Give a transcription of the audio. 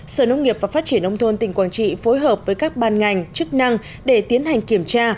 sở nông nghiệp và phát triển nông thôn tỉnh quảng trị phối hợp với các ban ngành chức năng để tiến hành kiểm tra